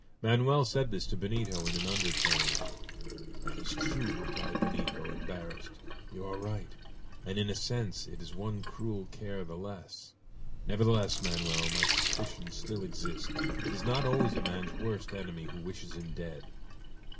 Manoel said this to Benito in an undertone. "That is true!" replied Benito, embarrassed. "You are right, and in a sense it is one cruel care the less! Nevertheless, Manoel, my suspicions still exist! It is not always a man's worst enemy who wishes him dead!"